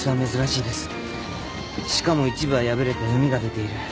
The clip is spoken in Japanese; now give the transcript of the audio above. しかも一部は破れてうみが出ている。